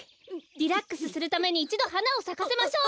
リラックスするためにいちどはなをさかせましょう。